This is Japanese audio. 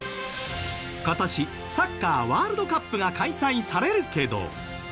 今年サッカーワールドカップが開催されるけど。